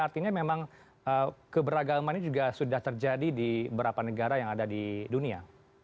artinya memang keberagaman ini juga sudah terjadi di beberapa negara yang ada di dunia